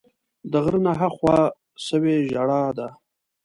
د غره نه ها خوا سوې ژړا ده